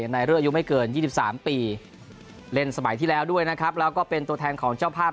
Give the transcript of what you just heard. ในเรื่องอายุไม่เกิน๒๓ปีเล่นสมัยที่แล้วด้วยนะครับแล้วก็เป็นตัวแทนของเจ้าภาพ